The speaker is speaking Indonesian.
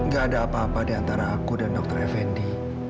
gak ada apa apa diantara aku dan dokter effendi